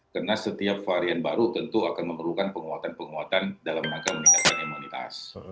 karena setiap varian baru tentu akan memerlukan penguatan penguatan dalam rangka meningkatkan imunitas